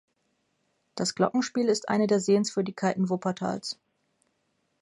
Das Glockenspiel ist eine der Sehenswürdigkeiten Wuppertals.